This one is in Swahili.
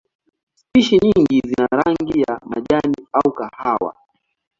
Spishi nyingine zina rangi ya majani au kahawa.